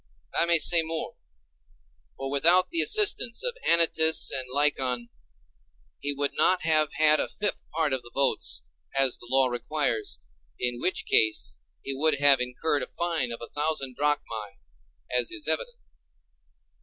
And I may say more; for without the assistance of Anytus and Lycon, he would not have had a fifth part of the votes, as the law requires, in which case he would have incurred a fine of a thousand drachmæ, as is evident.